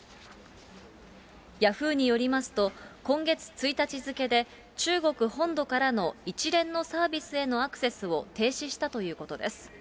ヤフーによりますと、今月１日付で、中国本土からの一連のサービスへのアクセスを停止したということです。